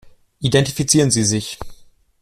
Identifizieren Sie sich.